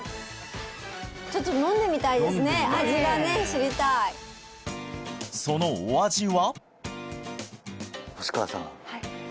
飲んでみたいね味がね知りたいそのお味は？